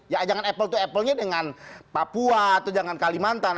ya jangan apple to apple nya dengan papua atau jangan kalimantan